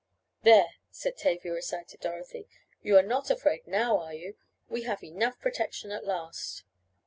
"There," said Tavia aside to Dorothy. "You are not afraid now, are you? We have enough of protection at last."